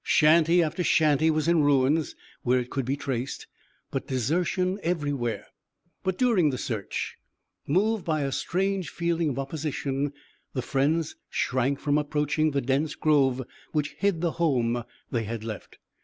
Shanty after shanty was in ruins where it could be traced, but desertion everywhere. But during the search, moved by a strange feeling of opposition, the friends shrank from approaching the dense grove which hid the home they had left.